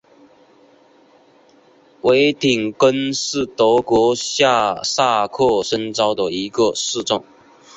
维廷根是德国下萨克森州的一个市镇。